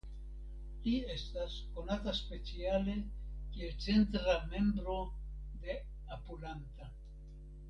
Li estas konata speciale kiel centra membro de Apulanta.